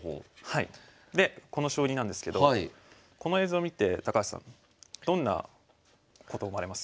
でこの将棋なんですけどこの映像見て高橋さんどんなこと思われます？